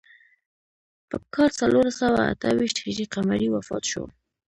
په کال څلور سوه اته ویشت هجري قمري وفات شو.